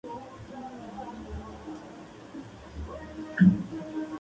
Es el más inteligente y culto del grupo.